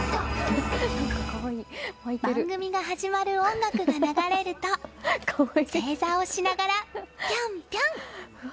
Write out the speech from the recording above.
番組が始まる音楽が流れると正座をしながらピョンピョン。